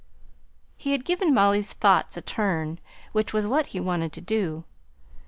He had given Molly's thoughts a turn, which was what he wanted to do.